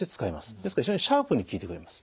ですから非常にシャープに効いてくれます。